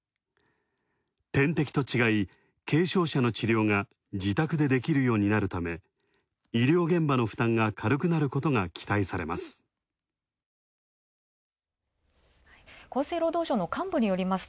点滴と違い、軽症者の治療が自宅でできるようになるため、医療現場の負担が軽くなることが期待されます。